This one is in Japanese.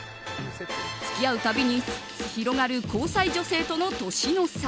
付き合う度に広がる交際女性との年の差。